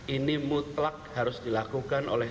ini mutlak harus dilakukan oleh